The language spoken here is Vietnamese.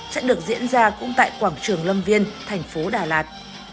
sẽ được diễn ra cũng tại quảng trường lâm viên thành phố đà lạt